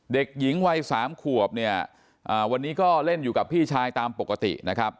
เด็กหญิงวัยสามขวบเนี่ยวันนี้ก็เล่นอยู่กับพี่ชายตามปกตินะครับ